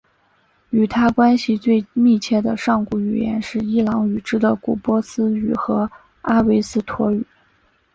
与它关系最密切的上古语言是伊朗语支的古波斯语和阿维斯陀语。